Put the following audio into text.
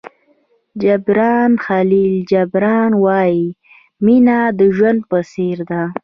جبران خلیل جبران وایي مینه د ژوند په څېر ده.